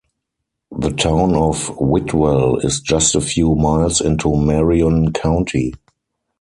The town of Whitwell is just a few miles into Marion County.